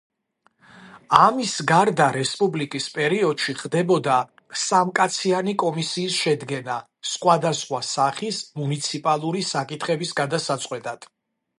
ამის გარდა რესპუბლიკის პერიოდში ხდებოდა სამკაციანი კომისიის შედგენა სხვადასხვა სახის მუნიციპალური საკითხების გადასაწყვეტად.